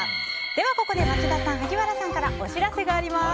ここで町田さん、萩原さんからお知らせがあります。